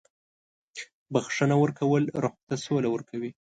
• بخښنه ورکول روح ته سوله ورکوي.